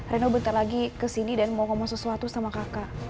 reno bentar lagi kesini dan mau ngomong sesuatu sama kakak